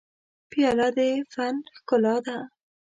پیاله د فن ښکلا ده.